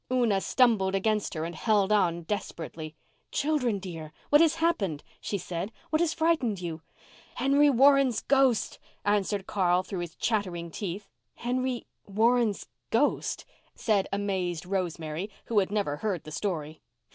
Una stumbled against her and held on desperately. "Children, dear, what has happened?" she said. "What has frightened you?" "Henry Warren's ghost," answered Carl, through his chattering teeth. "Henry—Warren's—ghost!" said amazed Rosemary, who had never heard the story.